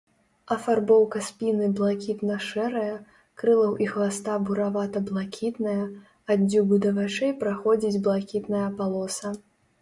Афарбоўка спіны блакітна-шэрая, крылаў і хваста буравата-блакітная, ад дзюбы да вачэй праходзіць блакітная палоса.